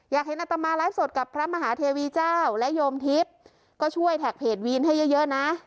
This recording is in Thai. อยากเห็นอัตมาไลฟ์สดกับพระมหาเทวีเจ้าและโยมทิพย์ก็ช่วยแท็กเพจวีนให้เยอะเยอะนะ